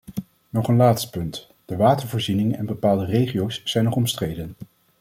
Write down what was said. Nog een laatste punt: de watervoorziening en bepaalde regio’s zijn nog omstreden.